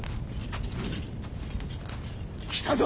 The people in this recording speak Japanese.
来たぞ！